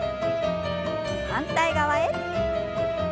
反対側へ。